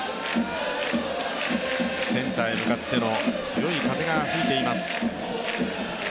センターへ向かっての強い風が吹いています。